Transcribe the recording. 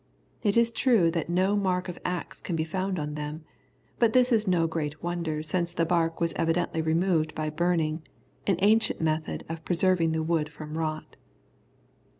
It is true that no mark of axe can be found on them, but this is no great wonder since the bark was evidently removed by burning, an ancient method of preserving the wood from rot.